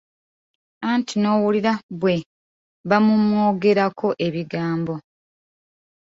Anti n'owulira bwe bamumwogerako ebigambo!